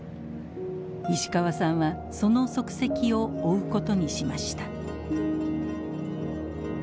石川さんはその足跡を追うことにしました。